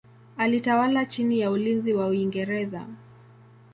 Alitawala chini ya ulinzi wa Uingereza.